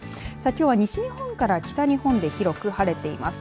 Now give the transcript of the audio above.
きょうは西日本から北日本で広く晴れています。